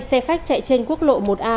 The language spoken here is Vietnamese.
xe khách chạy trên quốc lộ một a